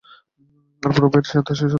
এরপর উভয়েই তার শিষ্যত্ব গ্রহণ করেন।